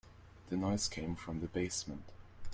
The noise came from the basement.